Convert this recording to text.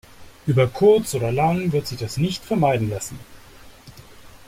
Über kurz oder lang wird sich das nicht vermeiden lassen.